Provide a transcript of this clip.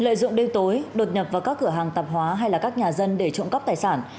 lợi dụng đêm tối đột nhập vào các cửa hàng tạp hóa hay là các nhà dân để trộm cắp tài sản